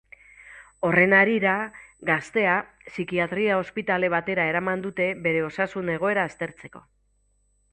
Horren harira, gaztea psikiatria ospitale batera eraman dute bere osasun egoera aztertzeko.